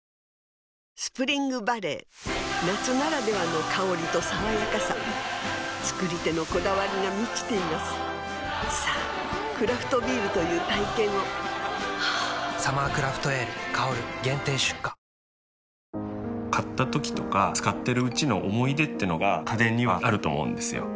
スプリングバレー夏ならではの香りと爽やかさ造り手のこだわりが満ちていますさぁクラフトビールという体験を「サマークラフトエール香」限定出荷買ったときとか使ってるうちの思い出ってのが家電にはあると思うんですよ。